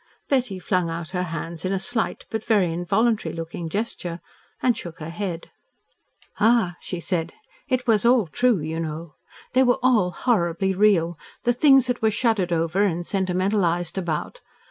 Betty flung out her hands in a slight, but very involuntary looking, gesture, and shook her head. "Ah!" she said, "it was all TRUE, you know. They were all horribly real the things that were shuddered over and sentimentalised about.